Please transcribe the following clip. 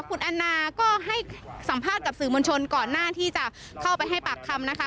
คุณแอนนาก็ให้สัมภาษณ์กับสื่อมวลชนก่อนหน้าที่จะเข้าไปให้ปากคำนะคะ